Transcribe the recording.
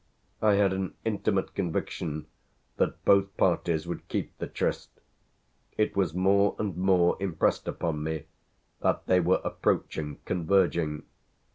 I had an intimate conviction that both parties would keep the tryst. It was more and more impressed upon me that they were approaching, converging.